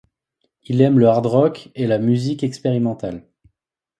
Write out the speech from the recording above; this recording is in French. Il aime le hard rock et la musique expérimentale.